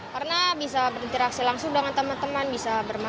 karena bisa berinteraksi langsung dengan teman teman bisa bermain dan bisa tertawa